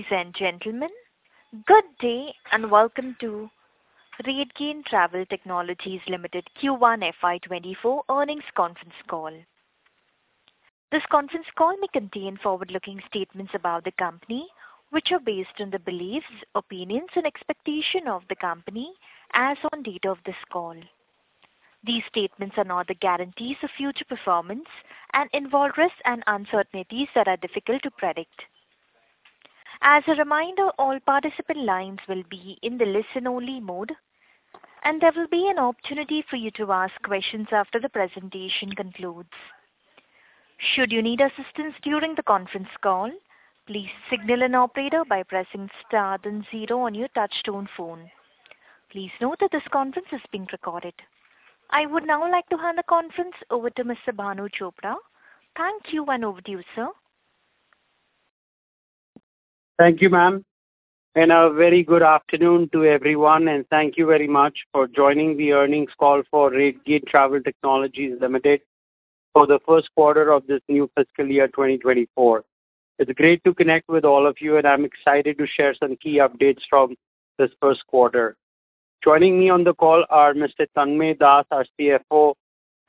Ladies and gentlemen, good day, and welcome to RateGain Travel Technologies Limited Q1 FY 2024 earnings conference call. This conference call may contain forward-looking statements about the company, which are based on the beliefs, opinions, and expectation of the company as on date of this call. These statements are not the guarantees of future performance and involve risks and uncertainties that are difficult to predict. As a reminder, all participant lines will be in the listen-only mode, and there will be an opportunity for you to ask questions after the presentation concludes. Should you need assistance during the conference call, please signal an operator by pressing star then zero on your touch-tone phone. Please note that this conference is being recorded. I would now like to hand the conference over to Mr. Bhanu Chopra. Thank you, and over to you, sir. Thank you, ma'am. A very good afternoon to everyone, and thank you very much for joining the earnings call for RateGain Travel Technologies Limited for the first quarter of this new fiscal year, 2024. It's great to connect with all of you, and I'm excited to share some key updates from this first quarter. Joining me on the call are Mr. Tanmaya Das, our CFO,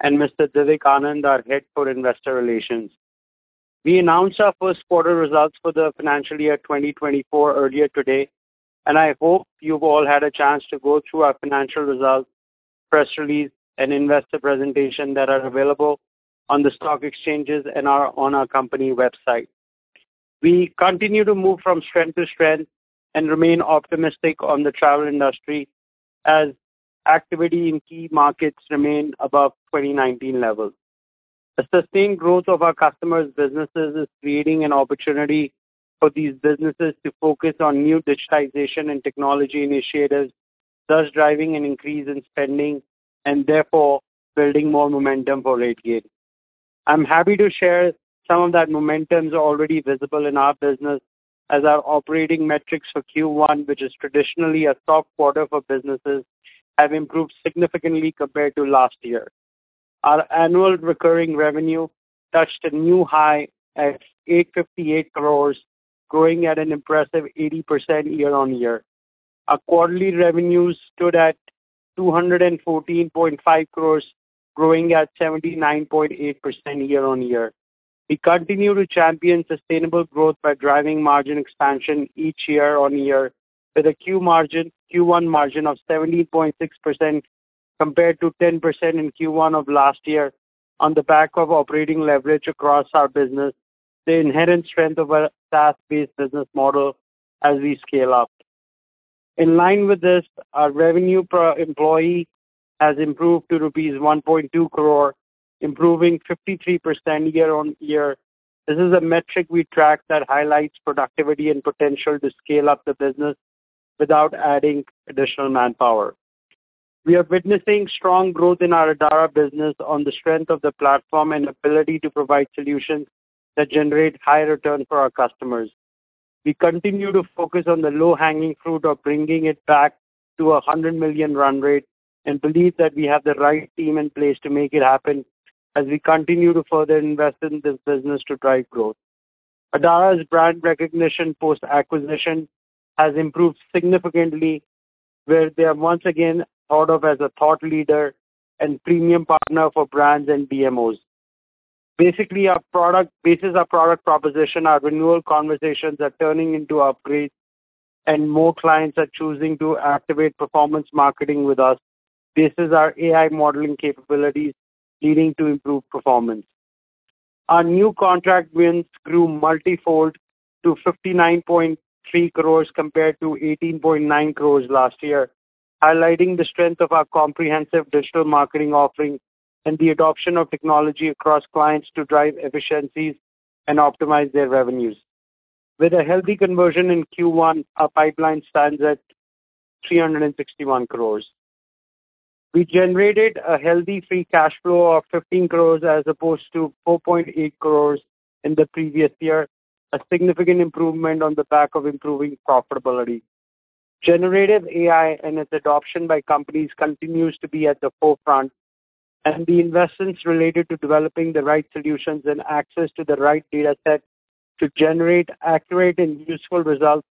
and Mr. Divak Anand, our head for Investor Relations. We announced our first quarter results for the financial year 2024 earlier today. I hope you've all had a chance to go through our financial results, press release, and investor presentation that are available on the stock exchanges and are on our company website. We continue to move from strength to strength and remain optimistic on the travel industry as activity in key markets remain above 2019 levels. The sustained growth of our customers' businesses is creating an opportunity for these businesses to focus on new digitization and technology initiatives, thus driving an increase in spending and therefore building more momentum for RateGain. I'm happy to share some of that momentum is already visible in our business as our operating metrics for Q1, which is traditionally a soft quarter for businesses, have improved significantly compared to last year. Our annual recurring revenue touched a new high at 858 crore, growing at an impressive 80% year-on-year. Our quarterly revenues stood at 214.5 crore, growing at 79.8% year-on-year. We continue to champion sustainable growth by driving margin expansion each year-on-year, with a Q1 margin of 17.6%, compared to 10% in Q1 of last year on the back of operating leverage across our business, the inherent strength of our SaaS-based business model as we scale up. In line with this, our revenue per employee has improved to rupees 1.2 crore, improving 53% year-on-year. This is a metric we track that highlights productivity and potential to scale up the business without adding additional manpower. We are witnessing strong growth in our Adara business on the strength of the platform and ability to provide solutions that generate high return for our customers. We continue to focus on the low-hanging fruit of bringing it back to an 100 million run rate and believe that we have the right team in place to make it happen as we continue to further invest in this business to drive growth. Adara's brand recognition post-acquisition has improved significantly, where they are once again thought of as a thought leader and premium partner for brands and DMOs. Basically, our product bases our product proposition, our renewal conversations are turning into upgrades, and more clients are choosing to activate performance marketing with us. This is our AI modeling capabilities leading to improved performance. Our new contract wins grew multifold to 59.3 crore compared to 18.9 crore last year, highlighting the strength of our comprehensive digital marketing offering and the adoption of technology across clients to drive efficiencies and optimize their revenues. With a healthy conversion in Q1, our pipeline stands at 361 crore. We generated a healthy free cash flow of 15 crore, as opposed to 4.8 crore in the previous year, a significant improvement on the back of improving profitability. Generative AI and its adoption by companies continues to be at the forefront. The investments related to developing the right solutions and access to the right data set to generate accurate and useful results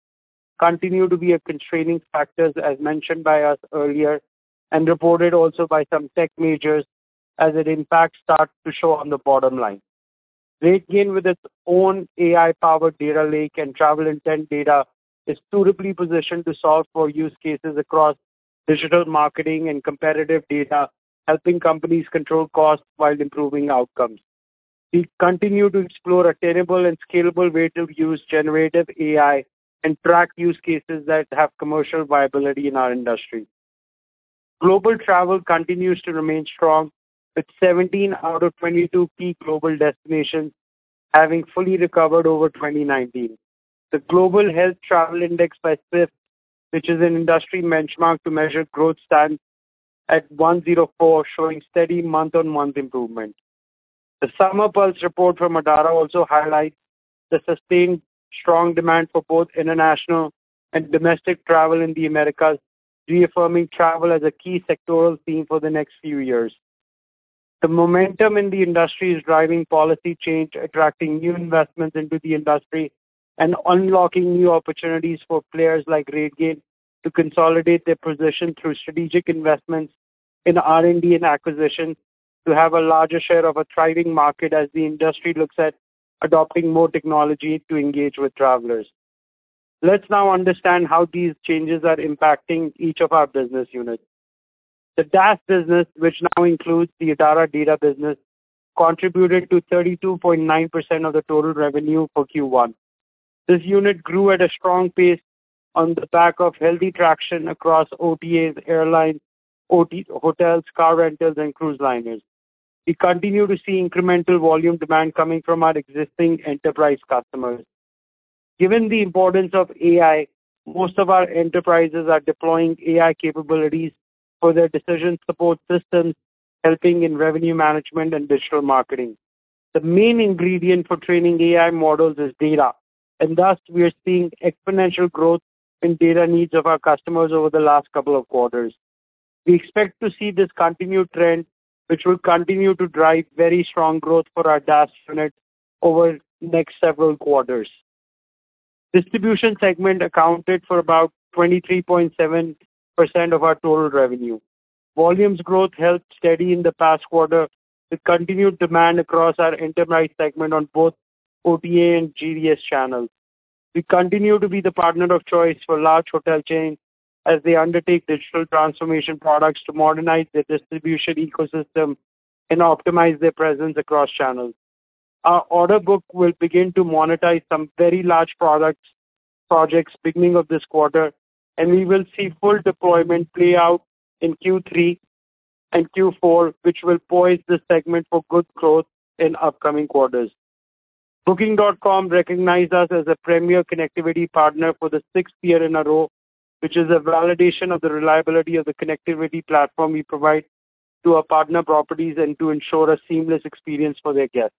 continue to be a constraining factor, as mentioned by us earlier and reported also by some tech majors, as it in fact starts to show on the bottom line. RateGain, with its own AI-powered data lake and travel intent data, is suitably positioned to solve for use cases across digital marketing and competitive data, helping companies control costs while improving outcomes. We continue to explore attainable and scalable way to use Generative AI and track use cases that have commercial viability in our industry. Global travel continues to remain strong, with 17 out of 22 key global destinations having fully recovered over 2019. The Global Health Travel Index by Skift, which is an industry benchmark to measure growth, stands at 104, showing steady month-on-month improvement. The Summer Pulse report from Adara also highlights the sustained strong demand for both international and domestic travel in the Americas, reaffirming travel as a key sectoral theme for the next few years. The momentum in the industry is driving policy change, attracting new investments into the industry, and unlocking new opportunities for players like RateGain to consolidate their position through strategic investments in R&D and acquisition, to have a larger share of a thriving market as the industry looks at adopting more technology to engage with travelers. Let's now understand how these changes are impacting each of our business units. The DaaS business, which now includes the Adara Data business, contributed to 32.9% of the total revenue for Q1. This unit grew at a strong pace on the back of healthy traction across OTAs, airlines, hotels, car rentals, and cruise liners. We continue to see incremental volume demand coming from our existing enterprise customers. Given the importance of AI, most of our enterprises are deploying AI capabilities for their decision support systems, helping in revenue management and digital marketing. The main ingredient for training AI models is data, thus we are seeing exponential growth in data needs of our customers over the last couple of quarters. We expect to see this continued trend, which will continue to drive very strong growth for our DaaS unit over the next several quarters. Distribution segment accounted for about 23.7% of our total revenue. Volumes growth held steady in the past quarter with continued demand across our enterprise segment on both OTA and GDS channels. We continue to be the partner of choice for large hotel chains as they undertake digital transformation products to modernize their distribution ecosystem and optimize their presence across channels. Our order book will begin to monetize some very large projects beginning of this quarter. We will see full deployment play out in Q3 and Q4, which will poise this segment for good growth in upcoming quarters. Booking.com recognized us as a premier connectivity partner for the sixth year in a row, which is a validation of the reliability of the connectivity platform we provide to our partner properties and to ensure a seamless experience for their guests.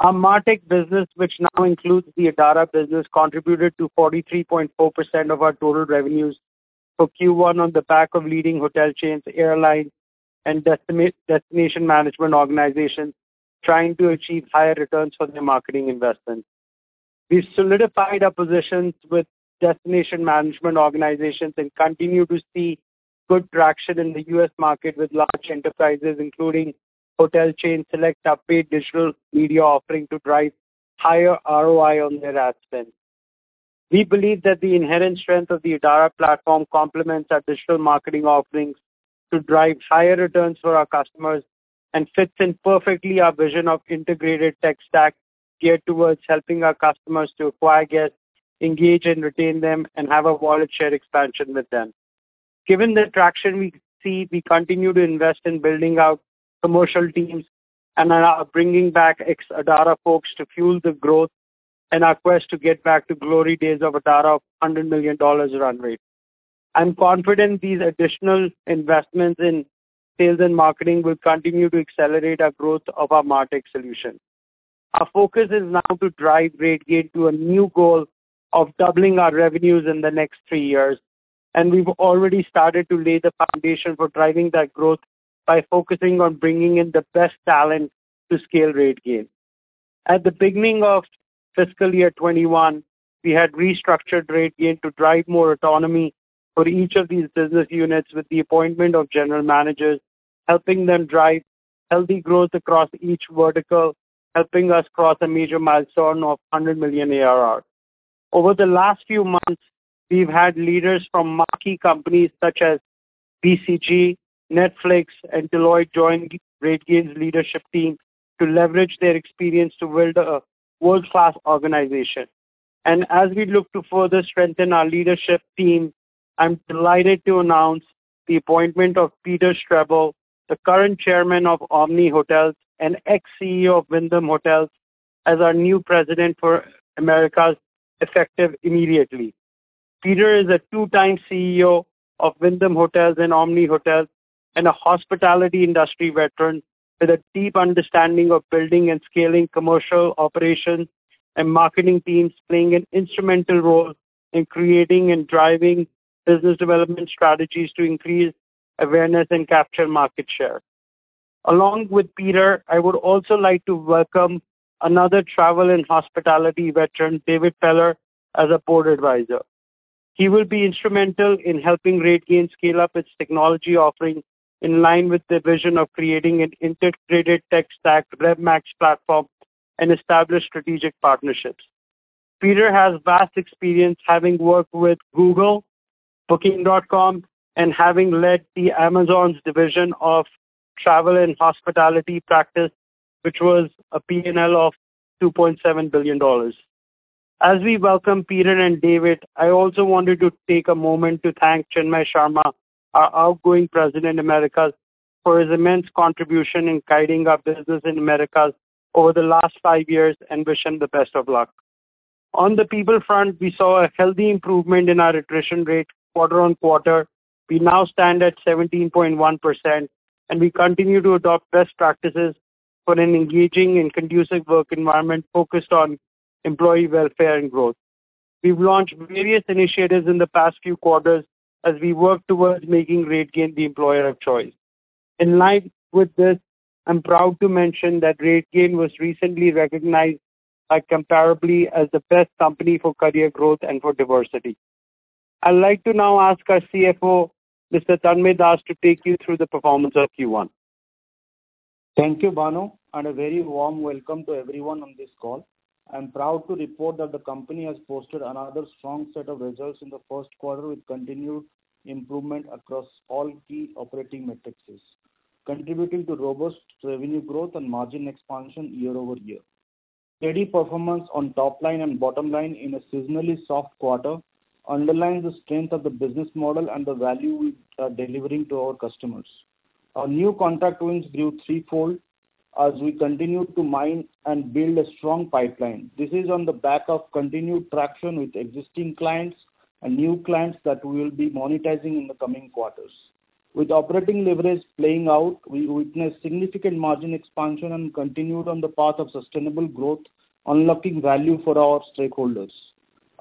Our MarTech business, which now includes the Adara business, contributed to 43.4% of our total revenues for Q1 on the back of leading hotel chains, airlines, and destination management organizations trying to achieve higher returns for their marketing investments. We solidified our positions with destination management organizations and continue to see good traction in the U.S. market, with large enterprises, including hotel chain, select upgrade digital media offerings, to drive higher ROI on their ad spend. We believe that the inherent strength of the Adara platform complements our digital marketing offerings to drive higher returns for our customers and fits in perfectly our vision of integrated tech stack geared towards helping our customers to acquire guests, engage and retain them, and have a wallet share expansion with them. Given the traction we see, we continue to invest in building out commercial teams and bringing back ex-Adara folks to fuel the growth and our quest to get back to glory days of Adara of $100 million run rate. I'm confident these additional investments in sales and marketing will continue to accelerate our growth of our MarTech solution. Our focus is now to drive RateGain to a new goal of doubling our revenues in the next three years. We've already started to lay the foundation for driving that growth by focusing on bringing in the best talent to scale RateGain. At the beginning of fiscal year 2021, we had restructured RateGain to drive more autonomy for each of these business units, with the appointment of general managers, helping them drive healthy growth across each vertical, helping us cross a major milestone of $100 million ARR. Over the last few months, we've had leaders from marquee companies such as BCG, Netflix, and Deloitte join RateGain's leadership team to leverage their experience to build a world-class organization. As we look to further strengthen our leadership team, I'm delighted to announce the appointment of Peter Strebel, the current chairman of Omni Hotels and ex-CEO of Wyndham Hotels, as our new President for Americas, effective immediately. David is a two-time CEO of Wyndham Hotels and Omni Hotels and a hospitality industry veteran with a deep understanding of building and scaling commercial operations and marketing teams, playing an instrumental role in creating and driving business development strategies to increase awareness and capture market share. Along with Peter, I would also like to welcome another travel and hospitality veteran, David Feller, as a board advisor. He will be instrumental in helping RateGain scale up its technology offerings in line with the vision of creating an integrated tech stack, RevMax platform, and establish strategic partnerships. Peter has vast experience, having worked with Google, Booking.com, and having led the Amazon's division of travel and hospitality practice, which was a PNL of $2.7 billion. As we welcome Peter and David, I also wanted to take a moment to thank Chinmay Sharma, our outgoing President, Americas, for his immense contribution in guiding our business in Americas over the last 5 years, and wish him the best of luck. On the people front, we saw a healthy improvement in our attrition rate quarter-over-quarter. We now stand at 17.1%, and we continue to adopt best practices for an engaging and conducive work environment focused on employee welfare and growth. We've launched various initiatives in the past few quarters as we work towards making RateGain the employer of choice. In line with this, I'm proud to mention that RateGain was recently recognized by Comparably as the best company for career growth and for diversity. I'd like to now ask our CFO, Mr. Tanmaya Das, to take you through the performance of Q1. Thank you, Bhanu, and a very warm welcome to everyone on this call. I'm proud to report that the company has posted another strong set of results in the first quarter, with continued improvement across all key operating matrices, contributing to robust revenue growth and margin expansion year-over-year. Steady performance on top line and bottom line in a seasonally soft quarter underlines the strength of the business model and the value we are delivering to our customers. Our new contract wins grew threefold as we continue to mine and build a strong pipeline. This is on the back of continued traction with existing clients and new clients that we will be monetizing in the coming quarters. With operating leverage playing out, we witnessed significant margin expansion and continued on the path of sustainable growth, unlocking value for our stakeholders.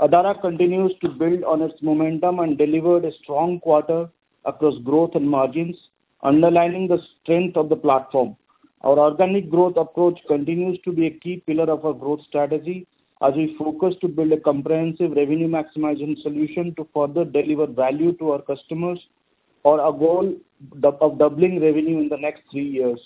Adara continues to build on its momentum and delivered a strong quarter across growth and margins, underlining the strength of the platform. Our organic growth approach continues to be a key pillar of our growth strategy as we focus to build a comprehensive revenue-maximizing solution to further deliver value to our customers for our goal of doubling revenue in the next three years.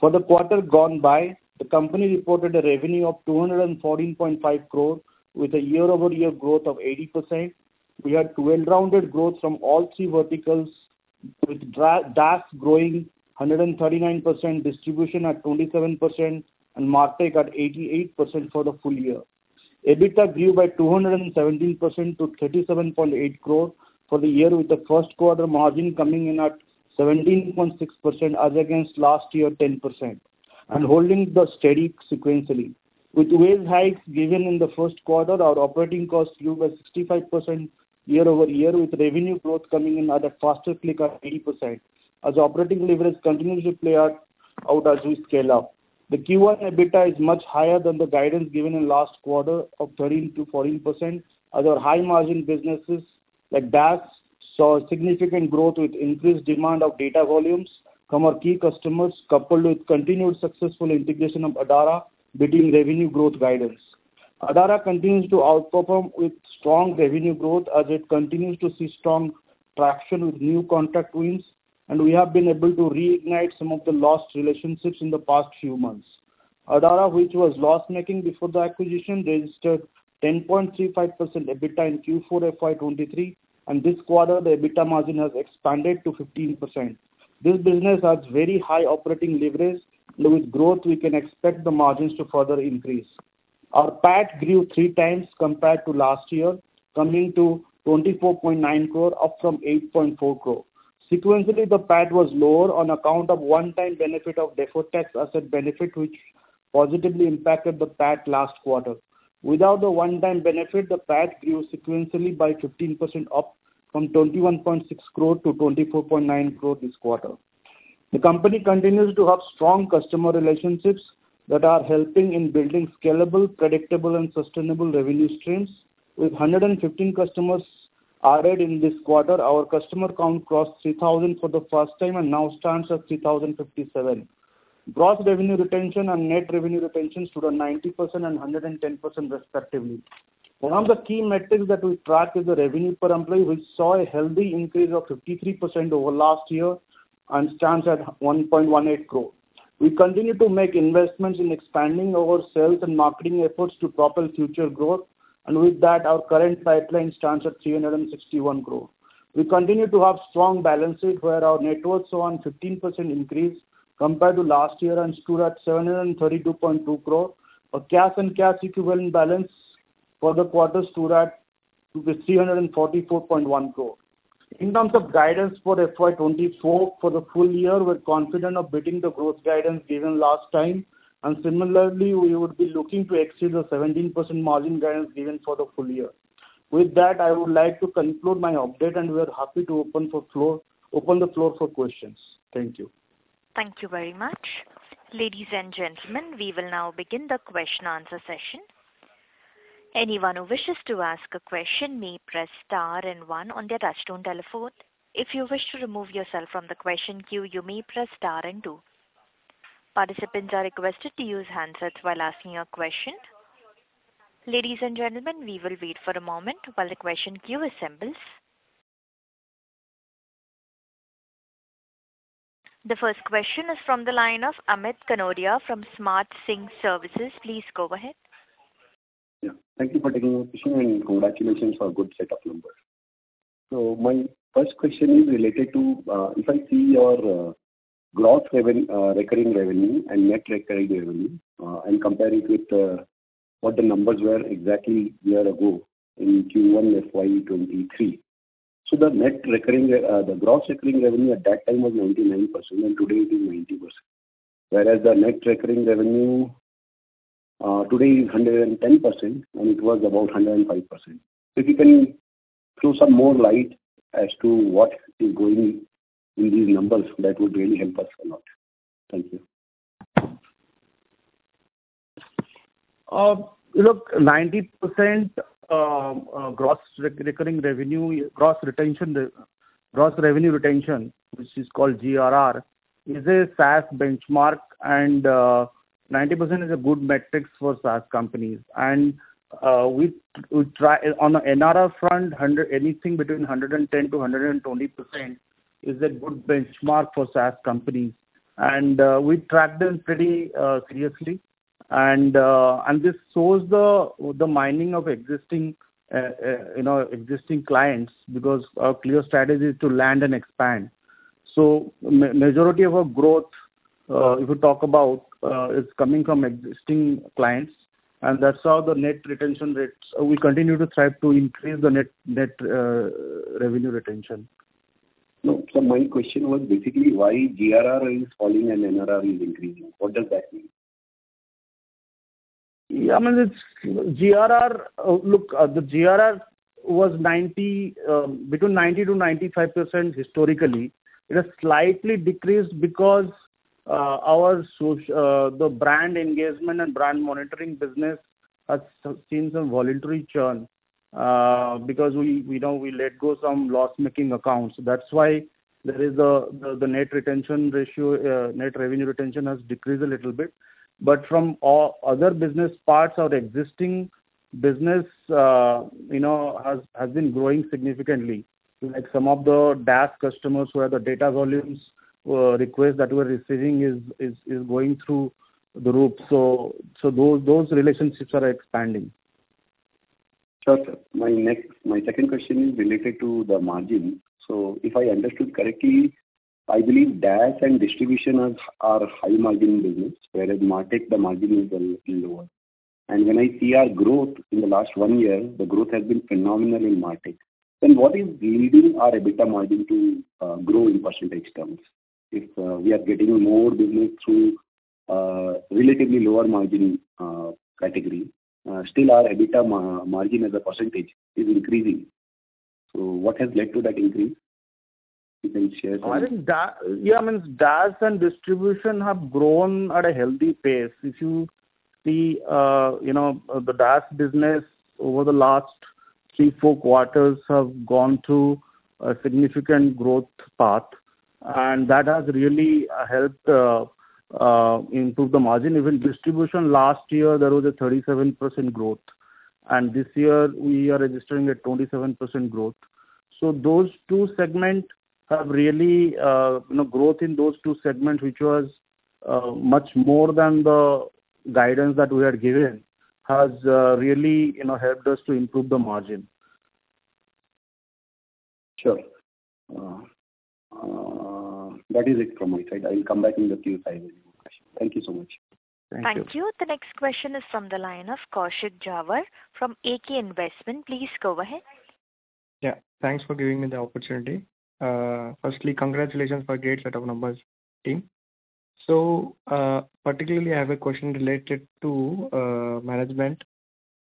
For the quarter gone by, the company reported a revenue of 214.5 crore, with a year-over-year growth of 80%. We had well-rounded growth from all three verticals, with DaaS growing 139%, distribution at 27% and MarTech at 88% for the full year. EBITDA grew by 217% to 37.8 crore for the year, with the first quarter margin coming in at 17.6%, as against last year, 10%, and holding the steady sequentially. With wage hikes given in the first quarter, our operating costs grew by 65% year-over-year, with revenue growth coming in at a faster click of 80%, as operating leverage continues to play out as we scale up. The Q1 EBITDA is much higher than the guidance given in last quarter of 13%-14%. Other high-margin businesses like DaaS, saw significant growth with increased demand of data volumes from our key customers, coupled with continued successful integration of Adara, beating revenue growth guidance. Adara continues to outperform with strong revenue growth as it continues to see strong traction with new contract wins, and we have been able to reignite some of the lost relationships in the past few months. Adara, which was loss-making before the acquisition, registered 10.35% EBITDA in Q4 FY2023, and this quarter, the EBITDA margin has expanded to 15%. This business has very high operating leverage, and with growth, we can expect the margins to further increase. Our PAT grew three times compared to last year, coming to 24.9 crore, up from 8.4 crore. Sequentially, the PAT was lower on account of one-time benefit of deferred tax asset benefit, which positively impacted the PAT last quarter. Without the one-time benefit, the PAT grew sequentially by 15%, up from 21.6 crore to 24.9 crore this quarter. The company continues to have strong customer relationships that are helping in building scalable, predictable and sustainable revenue streams. With 115 customers added in this quarter, our customer count crossed 3,000 for the first time and now stands at 3,057. Gross revenue retention and net revenue retention stood at 90% and 110% respectively. One of the key metrics that we track is the revenue per employee, which saw a healthy increase of 53% over last year and stands at 1.18 crore. With that, our current pipeline stands at 361 crore. We continue to have strong balances, where our net worth saw a 15% increase compared to last year, and stood at 732.2 crore. Our cash and cash equivalent balance for the quarter stood at 344.1 crore. In terms of guidance for FY 2024, for the full year, we're confident of beating the growth guidance given last time, and similarly, we would be looking to exceed the 17% margin guidance given for the full year. With that, I would like to conclude my update, and we are happy to open the floor for questions. Thank you. Thank you very much. Ladies and gentlemen, we will now begin the question and answer session. Anyone who wishes to ask a question may press star one on their touchtone telephone. If you wish to remove yourself from the question queue, you may press star two. Participants are requested to use handsets while asking a question. Ladies and gentlemen, we will wait for a moment while the question queue assembles. The first question is from the line of Ankit Kanodia from SmartSyncServices. Please go ahead. Yeah. Thank you for taking my question, and congratulations on good set of numbers. My first question is related to, if I see your, gross recurring revenue and net recurring revenue, and compare it with, what the numbers were exactly a year ago in Q1 FY 2023. The net recurring, the gross recurring revenue at that time was 99%, and today it is 90%, whereas the net recurring revenue, today is 110%, and it was about 105%. If you can throw some more light as to what is going in these numbers, that would really help us a lot. Thank you.... Look, 90% gross re-recurring revenue, gross retention, the gross revenue retention, which is called GRR, is a SaaS benchmark, and 90% is a good metrics for SaaS companies. We, we try-- On the NRR front, anything between 110%-120% is a good benchmark for SaaS companies. We track them pretty seriously. This shows the mining of existing, you know, existing clients, because our clear strategy is to land and expand. Majority of our growth, if you talk about, is coming from existing clients, and that's how the net retention rates... We continue to try to increase the net, net revenue retention. No. My question was basically why GRR is falling and NRR is increasing? What does that mean? Yeah, I mean, it's GRR. Look, the GRR was 90, between 90%-95% historically. It has slightly decreased because our brand engagement and brand monitoring business has seen some voluntary churn because we, we know we let go some loss-making accounts. That's why there is a, the, the net retention ratio, net revenue retention has decreased a little bit. From all other business parts of the existing business, you know, has, has been growing significantly. Like some of the DaaS customers, where the data volumes, request that we're receiving is, is, is going through the roof. Those, those relationships are expanding. Sure, sir. My second question is related to the margin. If I understood correctly, I believe DaaS and distribution are high-margin business, whereas MarTech, the margin is a little lower. When I see our growth in the last one year, the growth has been phenomenal in MarTech. What is leading our EBITDA margin to grow in percentage terms? If we are getting more business through relatively lower margin category, still our EBITDA margin as a percentage is increasing. What has led to that increase? If you can share with me. I think DaaS. Yeah, I mean, DaaS and distribution have grown at a healthy pace. If you see, you know, the DaaS business over the last three, four quarters have gone through a significant growth path, and that has really helped improve the margin. Even distribution, last year, there was a 37% growth, and this year we are registering a 27% growth. Those two segment have really, you know, growth in those two segments, which was much more than the guidance that we had given, has really, you know, helped us to improve the margin. Sure. That is it from my side. I will come back in the queue if I have any more question. Thank you so much. Thank you. Thank you. The next question is from the line of Kaushik Jhaveri from AK Investment. Please go ahead. Yeah. Thanks for giving me the opportunity. Firstly, congratulations for great set of numbers, team. Particularly, I have a question related to management.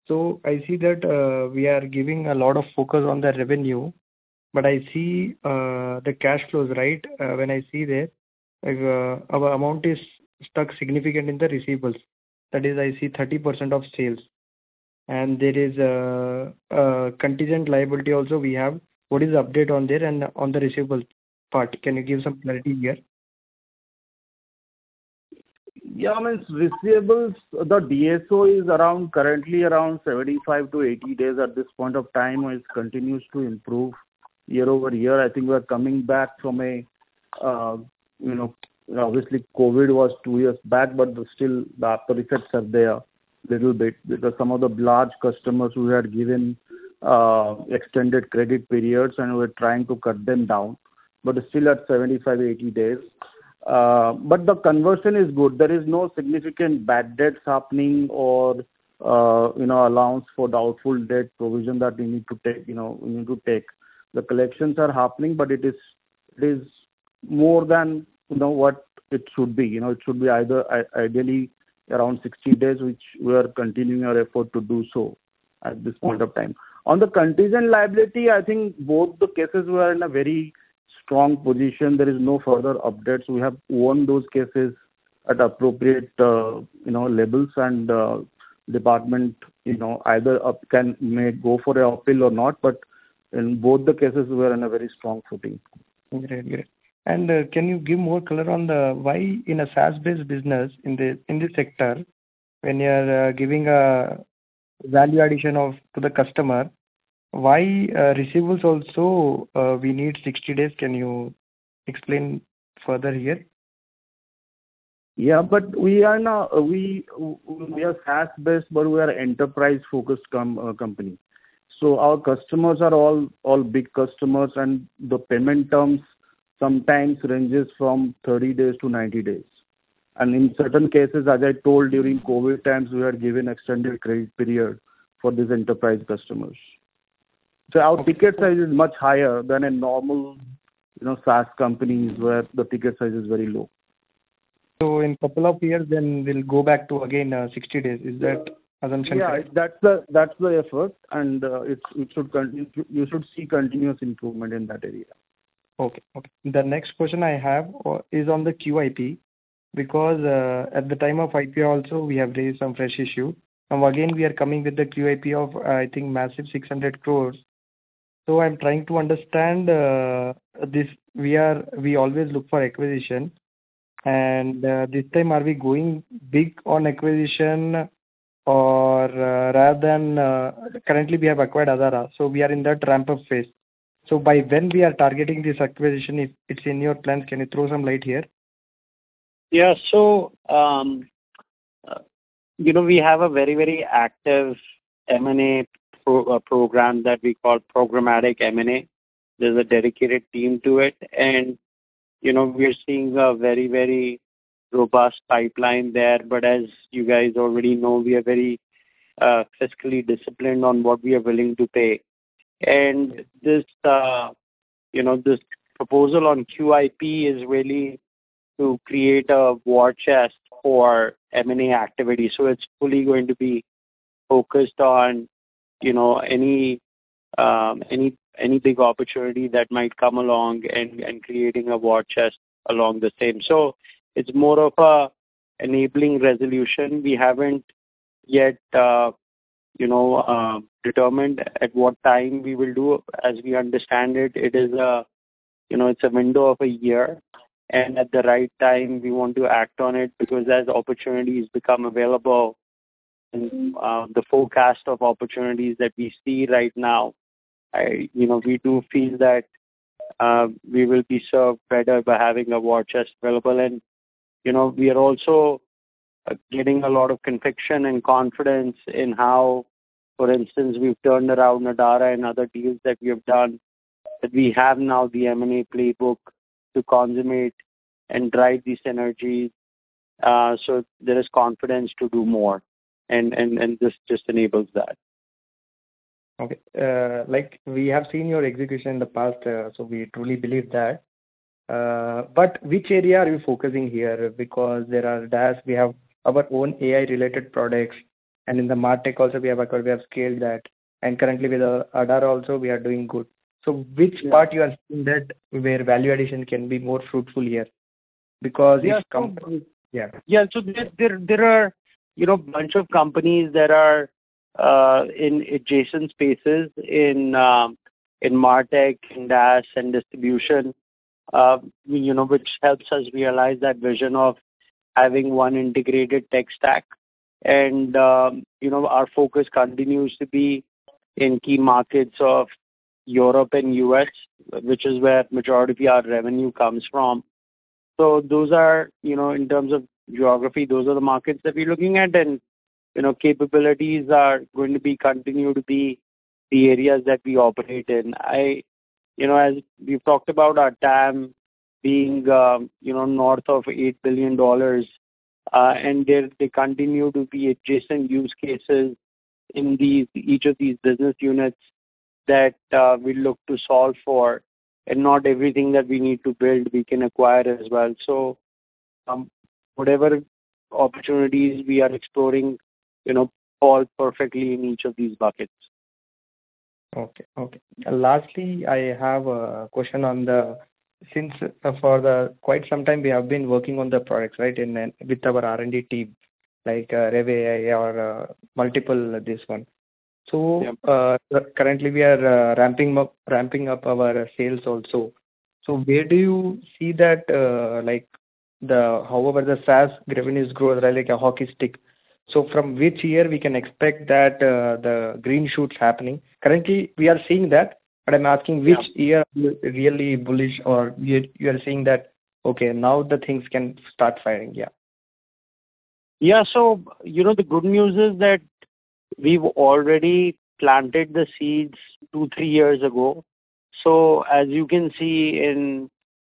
I see that we are giving a lot of focus on the revenue, but I see the cash flows, right? When I see there, our amount is stuck significant in the receivables. That is, I see 30% of sales. There is a contingent liability also we have. What is the update on there and on the receivables part? Can you give some clarity here? Yeah, I mean, receivables, the DSO is around, currently around 75-80 days at this point of time, and it continues to improve year-over-year. I think we are coming back from a, you know. Obviously, COVID was two years back, but still the aftereffects are there, little bit. Some of the large customers who had given extended credit periods, and we're trying to cut them down, but it's still at 75, 80 days. The conversion is good. There is no significant bad debts happening or, you know, allowance for doubtful debt provision that we need to take, you know, we need to take. The collections are happening, but it is, it is more than, you know, what it should be. You know, it should be either ideally around 60 days, which we are continuing our effort to do so at this point of time. On the contingent liability, I think both the cases were in a very strong position. There is no further updates. We have won those cases at appropriate, you know, levels, and department, you know, either can, may go for an appeal or not, but in both the cases, we're in a very strong footing. Great. Great. Can you give more color on the why in a SaaS-based business, in the, in this sector, when you are giving a value addition to the customer, why receivables also, we need 60 days? Can you explain further here? We are now SaaS-based, but we are enterprise-focused company. Our customers are all big customers, and the payment terms sometimes ranges from 30 days to 90 days. In certain cases, as I told during COVID times, we had given extended credit period for these enterprise customers. Our ticket size is much higher than a normal, you know, SaaS companies, where the ticket size is very low. In couple of years then, we'll go back to again, 60 days. Is that assumption correct? Yeah, that's the, that's the effort, and it should You should see continuous improvement in that area. Okay, okay. The next question I have is on the QIP, because at the time of IPO also we have raised some fresh issue, and again, we are coming with the QIP of, I think, massive 600 crore. I'm trying to understand this. We always look for acquisition, and this time are we going big on acquisition or, rather than... Currently we have acquired Adara, so we are in that ramp-up phase. By when we are targeting this acquisition, if it's in your plans, can you throw some light here? Yeah. You know, we have a very, very active M&A pro program that we call Programmatic M&A. There's a dedicated team to it. You know, we are seeing a very, very robust pipeline there. As you guys already know, we are very fiscally disciplined on what we are willing to pay. This, you know, this proposal on QIP is really to create a war chest for M&A activity, so it's fully going to be focused on, you know, any, any big opportunity that might come along and, and creating a war chest along the same. It's more of a enabling resolution. We haven't yet, you know, determined at what time we will do. As we understand it, it is, you know, it's a window of a year, and at the right time, we want to act on it because as opportunities become available, and the forecast of opportunities that we see right now. You know, we do feel that we will be served better by having a war chest available. You know, we are also getting a lot of conviction and confidence in how, for instance, we've turned around Adara and other deals that we have done, that we have now the M&A playbook to consummate and drive these synergies. There is confidence to do more, and this just enables that. Okay. Like, we have seen your execution in the past, we truly believe that. Which area are you focusing here? Because there are DaaS, we have our own AI-related products, and in the MarTech also, we have acquired, we have scaled that, and currently with Adara also, we are doing good. Which part you are seeing that where value addition can be more fruitful here? Because it's come- Yeah. Yeah. Yeah. There, there, there are, you know, bunch of companies that are in adjacent spaces in MarTech, in DaaS, and distribution, you know, which helps us realize that vision of having one integrated tech stack. Our focus continues to be in key markets of Europe and U.S., which is where majority of our revenue comes from. Those are, you know, in terms of geography, those are the markets that we're looking at, and, you know, capabilities are going to be continue to be the areas that we operate in. You know, as we've talked about our TAM being, you know, north of $8 billion. There they continue to be adjacent use cases in these, each of these business units that we look to solve for. Not everything that we need to build, we can acquire as well. Whatever opportunities we are exploring, you know, fall perfectly in each of these buckets. Okay, okay. Lastly, I have a question on the... Since for the quite some time, we have been working on the products, right? Then with our R&D team, like, RevAI or multiple, this one. Yeah. Currently we are ramping up, ramping up our sales also. Where do you see that, like, however, the SaaS revenues grow, right, like a hockey stick? From which year we can expect that the green shoots happening? Currently, we are seeing that, but I'm asking- Yeah... which year are you really bullish or you're, you're seeing that, "Okay, now the things can start firing," yeah? Yeah. You know, the good news is that we've already planted the seeds two, three years ago. As you can see in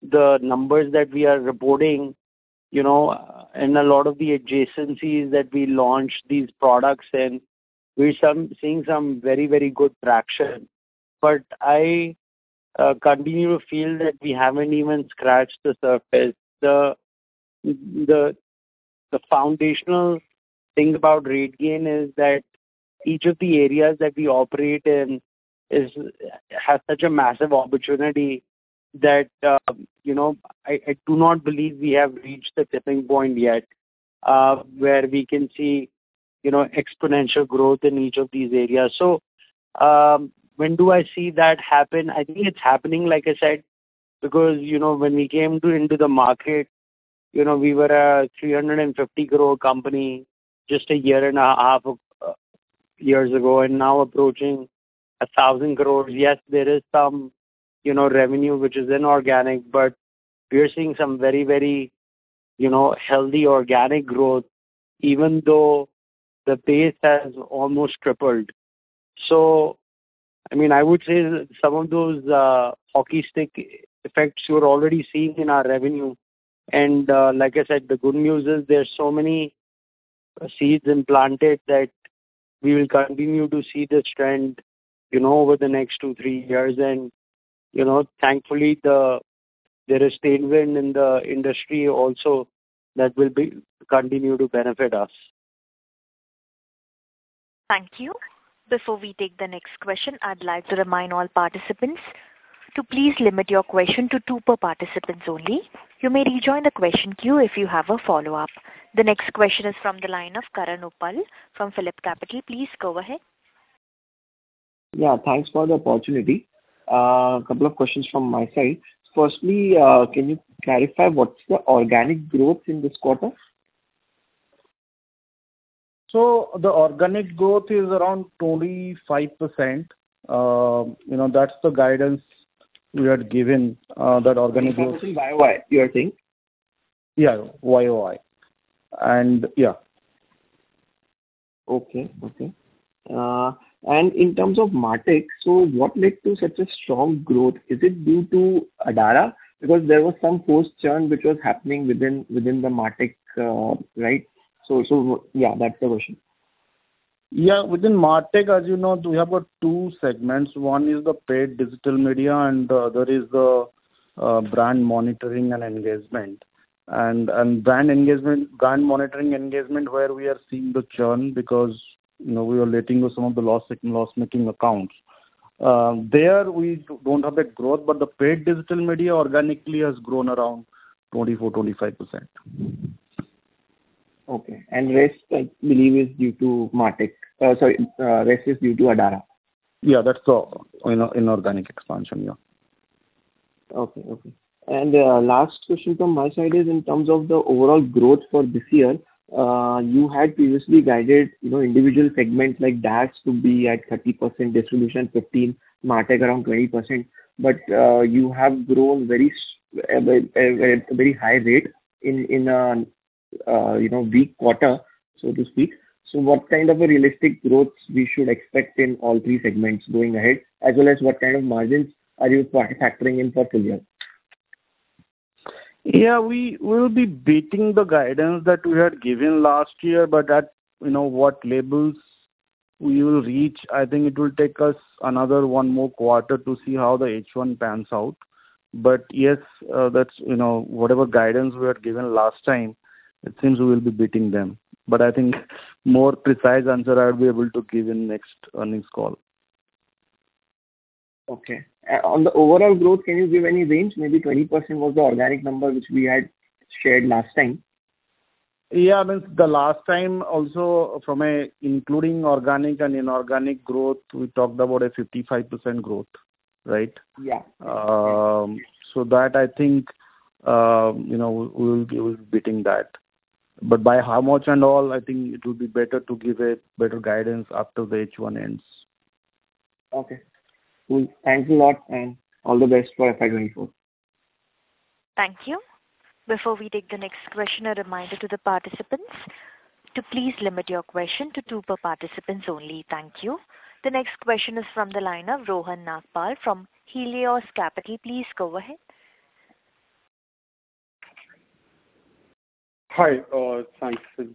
the numbers that we are reporting, you know, and a lot of the adjacencies that we launched these products in, we're seeing some very, very good traction. I continue to feel that we haven't even scratched the surface. The, the, the foundational thing about RateGain is that each of the areas that we operate in is, has such a massive opportunity that, you know, I, I do not believe we have reached the tipping point yet, where we can see, you know, exponential growth in each of these areas. When do I see that happen? I think it's happening, like I said, because, you know, when we came to into the market, you know, we were an 350 crore company just a year and a half of years ago, and now approaching 1,000 crore. Yes, there is some, you know, revenue which is inorganic, but we are seeing some very, very, you know, healthy organic growth, even though the pace has almost tripled. I mean, I would say that some of those hockey stick effects you're already seeing in our revenue. Like I said, the good news is there are so many seeds in planted that we will continue to see this trend, you know, over the next two-three years. You know, thankfully, the... there is tailwind in the industry also that will be continue to benefit us.... Thank you. Before we take the next question, I'd like to remind all participants to please limit your question to two per participants only. You may rejoin the question queue if you have a follow-up. The next question is from the line of Karan Uppal from PhillipCapital. Please go ahead. Yeah, thanks for the opportunity. Two questions from my side. First, can you clarify what's the organic growth in this quarter? The organic growth is around 25%. You know, that's the guidance we had given. Growth in YOY, you are saying? Yeah, YOY. Yeah. Okay. Okay. In terms of MarTech, what led to such a strong growth? Is it due to Adara? Because there was some post-churn which was happening within, within the MarTech, right? Yeah, that's the question. Yeah, within MarTech, as you know, we have got two segments. One is the paid digital media, and the other is the brand monitoring and engagement. Brand monitoring engagement, where we are seeing the churn because, you know, we are letting go some of the loss, loss-making accounts. There we don't have that growth, but the paid digital media organically has grown around 24%-25%. Okay. Rest, I believe, is due to MarTech. Sorry, rest is due to Adara. Yeah, that's the inorganic expansion, yeah. Okay, okay. Last question from my side is in terms of the overall growth for this year. You had previously guided, you know, individual segments like DAX to be at 30%, distribution 15%, MarTech around 20%, you have grown very, very high rate in, in a, you know, weak quarter, so to speak. What kind of a realistic growth we should expect in all three segments going ahead, as well as what kind of margins are you factoring in for full year? Yeah, we will be beating the guidance that we had given last year, but at, you know, what levels we will reach, I think it will take us another one more quarter to see how the H1 pans out. Yes, you know, whatever guidance we had given last time, it seems we will be beating them. I think more precise answer I'll be able to give in next earnings call. Okay. On the overall growth, can you give any range? Maybe 20% was the organic number which we had shared last time. Yeah, I mean, the last time also from a including organic and inorganic growth, we talked about a 55% growth, right? Yeah. That I think, you know, we, we will be beating that. By how much and all, I think it would be better to give a better guidance after the H1 ends. Okay. Well, thanks a lot, and all the best for FY 2024. Thank you. Before we take the next question, a reminder to the participants to please limit your question to two per participants only. Thank you. The next question is from the line of Rohan Nagpal from Helios Capital. Please go ahead. Hi, thanks for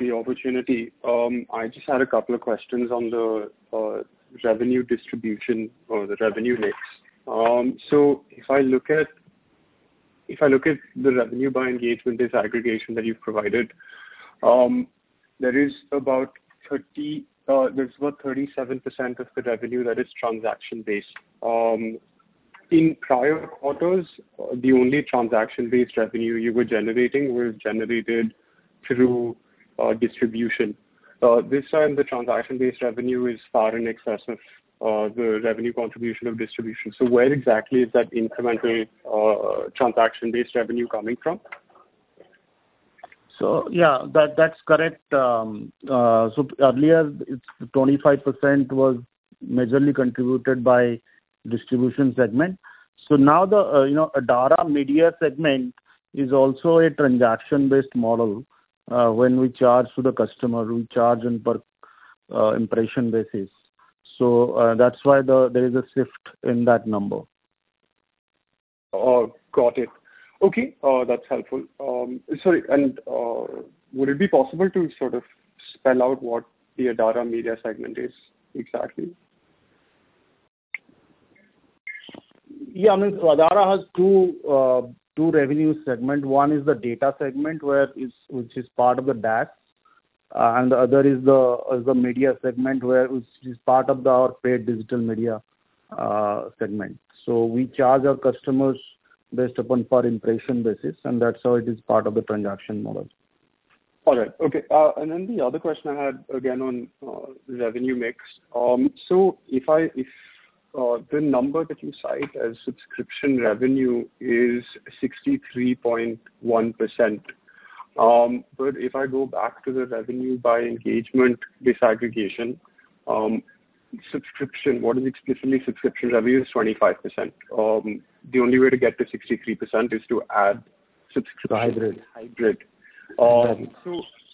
the opportunity. I just had a couple of questions on the revenue distribution or the revenue mix. If I look at, if I look at the revenue by engagement, this aggregation that you've provided, there is about 30, there's about 37% of the revenue that is transaction-based. In prior quarters, the only transaction-based revenue you were generating was generated through distribution. This time the transaction-based revenue is far in excess of the revenue contribution of distribution. Where exactly is that incremental transaction-based revenue coming from? Yeah, that, that's correct. Earlier, it's 25% was majorly contributed by distribution segment. Now the, you know, Adara Media segment is also a transaction-based model, when we charge to the customer, we charge on per impression basis. That's why there is a shift in that number. Oh, got it. Okay, that's helpful. Sorry, would it be possible to sort of spell out what the Adara Media segment is exactly? Yeah, I mean, so Adara has two, two revenue segment. One is the data segment, where which is part of the DAX, and the other is the, is the media segment, where, which is part of our paid digital media segment. We charge our customers based upon per impression basis, and that's how it is part of the transaction model. All right. Okay, and then the other question I had, again, on revenue mix. If I, if, the number that you cite as subscription revenue is 63.1%, but if I go back to the revenue by engagement disaggregation, subscription, what is explicitly subscription revenue is 25%. The only way to get to 63% is to add subscription- Hybrid. Hybrid.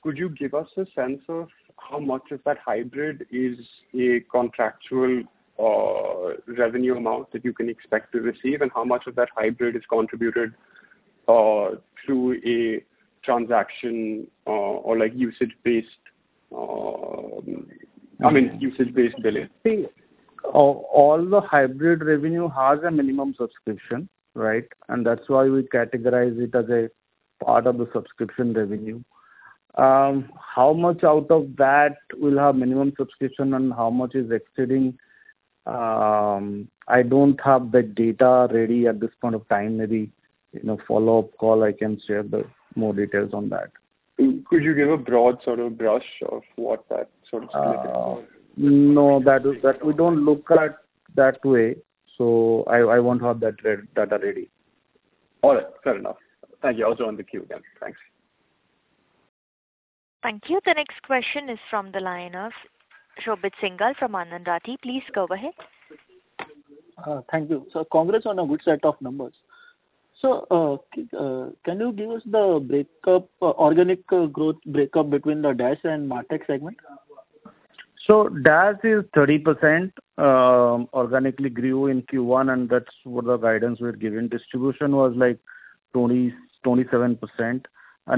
Could you give us a sense of how much of that hybrid is a contractual, revenue amount that you can expect to receive, and how much of that hybrid is contributed, through a transaction, or, like, usage-based, I mean, usage-based billing? I think, all the hybrid revenue has a minimum subscription, right? That's why we categorize it as a-... part of the subscription revenue. How much out of that will have minimum subscription and how much is exceeding? I don't have that data ready at this point of time. Maybe in a follow-up call, I can share the more details on that. Could you give a broad sort of brush of what that sort of looks like? No, that is that we don't look at that way, so I, I won't have that data ready. All right, fair enough. Thank you. I'll join the queue then. Thanks. Thank you. The next question is from the line of Shobit Singhal from Anand Rathi. Please go ahead. Thank you. Congrats on a good set of numbers. Can you give us the breakup, organic growth breakup between the DaaS and MarTech segment? DaaS is 30%, organically grew in Q1, and that's what the guidance we had given. Distribution was, like, 27%, and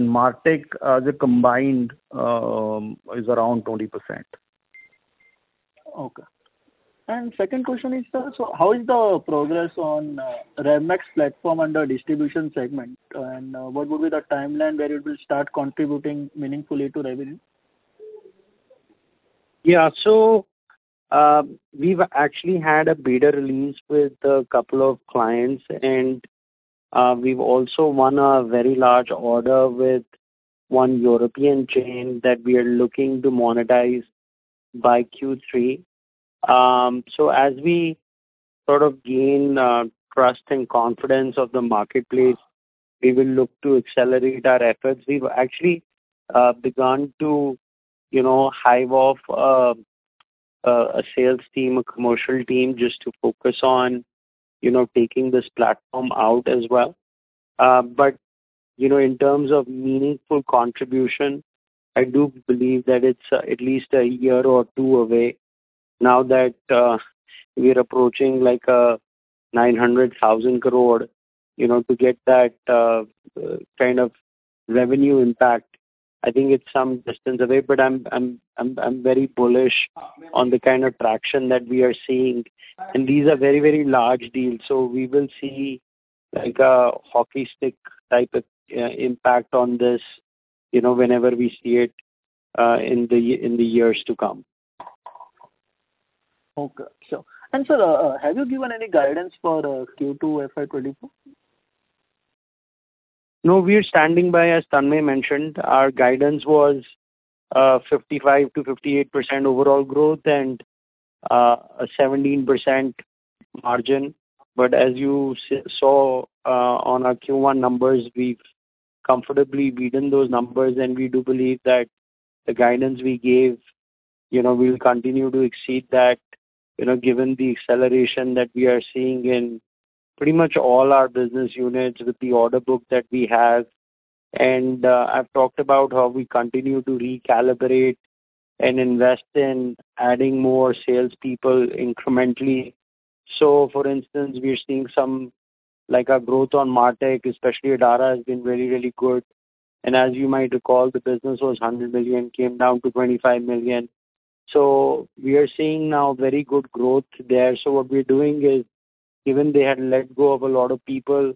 MarTech as a combined, is around 20%. Okay. Second question is, sir, how is the progress on RevMax platform under distribution segment? What would be the timeline where it will start contributing meaningfully to revenue? Yeah. We've actually had a beta release with a couple of clients, and we've also won a very large order with one European chain that we are looking to monetize by Q3. As we sort of gain trust and confidence of the marketplace, we will look to accelerate our efforts. We've actually begun to, you know, hive off a sales team, a commercial team, just to focus on, you know, taking this platform out as well. You know, in terms of meaningful contribution, I do believe that it's at least a year or two away. Now that we are approaching, like, 900,000 crore, you know, to get that kind of revenue impact, I think it's some distance away. I'm, I'm, I'm, I'm very bullish on the kind of traction that we are seeing, and these are very, very large deals. We will see, like, a hockey stick type of impact on this, you know, whenever we see it in the years to come. Okay, sure. Sir, have you given any guidance for Q2 FY24? No, we are standing by, as Tanmaya mentioned, our guidance was 55%-58% overall growth and a 17% margin. As you saw on our Q1 numbers, we've comfortably beaten those numbers, and we do believe that the guidance we gave, you know, we'll continue to exceed that. You know, given the acceleration that we are seeing in pretty much all our business units with the order book that we have. I've talked about how we continue to recalibrate and invest in adding more salespeople incrementally. For instance, we are seeing some, like our growth on MarTech, especially Adara, has been really, really good. As you might recall, the business was $100 million, came down to $25 million. We are seeing now very good growth there. What we're doing is, given they had let go of a lot of people